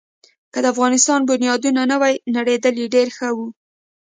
که د افغانستان بنیادونه نه وی نړېدلي، ډېر ښه وو.